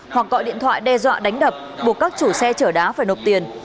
hoặc gọi điện thoại đe dọa đánh đập buộc các chủ xe chở đá phải nộp tiền